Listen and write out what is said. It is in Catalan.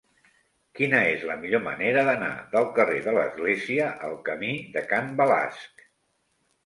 Quina és la millor manera d'anar del carrer de l'Església al camí de Can Balasc?